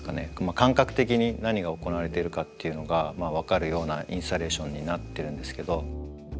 感覚的に何が行われているかっていうのが分かるようなインスタレーションになってるんですけど。